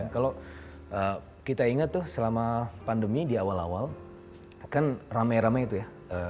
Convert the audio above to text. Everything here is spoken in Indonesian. kalau kita ingat tuh selama pandemi di awal awal kan ramai ramai itu ya